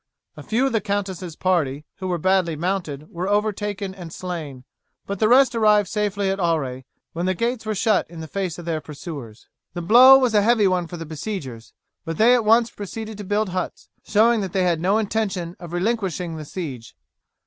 A few of the countess's party who were badly mounted were overtaken and slain, but the rest arrived safely at Auray, when the gates were shut in the face of their pursuers. The blow was a heavy one for the besiegers, but they at once proceeded to build huts, showing that they had no intention of relinquishing the siege.